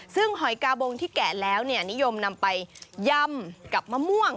ซึ่งหอยกาบงที่แกะแล้วนิยมนำไปยำกับมะม่วง